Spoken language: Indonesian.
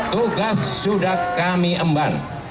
tugas sudah kami emban